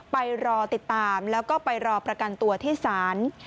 ไปรอติดตามแล้วก็ไปรอประกันตัวที่ศาล